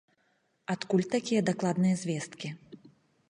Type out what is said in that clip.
Адкуль такія дакладныя звесткі?